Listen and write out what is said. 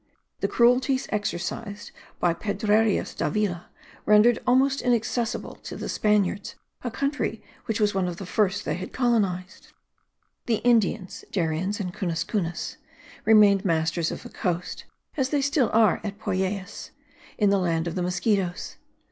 The cruelties exercised by Pedrarias Davila rendered almost inaccessible to the Spaniards a country which was one of the first they had colonized. The Indians (Dariens and Cunas Cunas) remained masters of the coast, as they still are at Poyais, in the land of the Mosquitos.